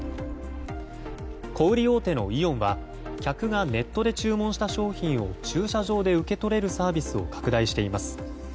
小売り大手のイオンは客がネットで注文した商品を駐車場で受け取れるサービスを拡大しています。